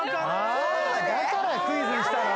あぁだからクイズにしたの？